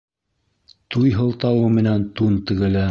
Туй һылтауы менән тун тегелә.